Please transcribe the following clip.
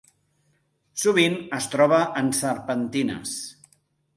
Sovint es troba en serpentines.